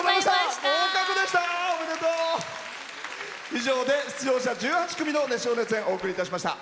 以上で出場者１８組の熱唱・熱演をお送りしました。